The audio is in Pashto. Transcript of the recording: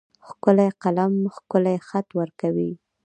ښکلی قلم ښکلی خط ورکوي.